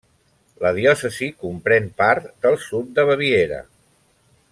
La diòcesi comprèn part del sud de Baviera.